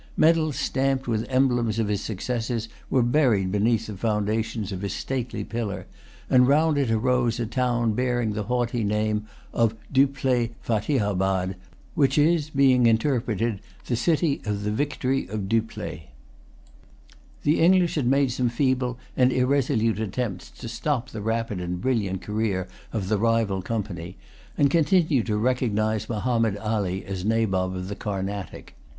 Medals stamped with emblems of his successes were buried beneath the foundations of his stately pillar, and round it arose a town bearing the haughty name of Dupleix Fatihabad, which is, being interpreted, the City of the Victory of Dupleix. The English had made some feeble and irresolute attempts to stop the rapid and brilliant career of the rival Company, and continued to recognise Mahommed Ali as Nabob of the Carnatic.